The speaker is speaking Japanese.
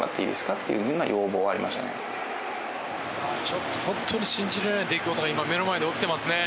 ちょっと本当に信じられない出来事が今目の前で起きてますね。